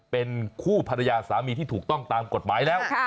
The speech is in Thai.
เป็นคู่ภรรยาสามีที่ถูกต้องตามกฎหมายแล้ว